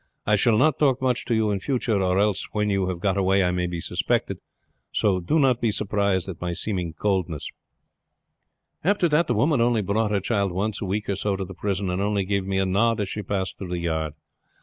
I shall not talk much to you in future, or else when you have got away I may be suspected; so do not be surprised at my seeming cold.' "After that the woman only brought her child once a week or so to the prison, and only gave me a nod as she passed through the yard.